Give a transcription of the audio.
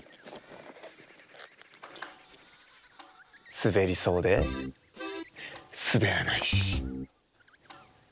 すべりそうですべらないし。